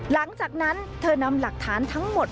หลังจากนั้นเธอนำหลักฐานทั้งหมด